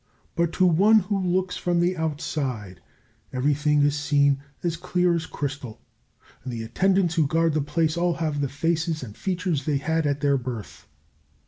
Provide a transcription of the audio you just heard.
But to one who looks from the outside everything is seen as clear as crystal, and the attendants who guard the place all have the faces and features they had at their birth.